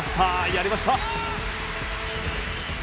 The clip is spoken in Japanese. やりました。